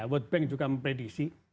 world bank juga mempredisi